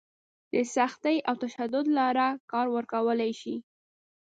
د سختي او تشدد لاره کار ورکولی شي.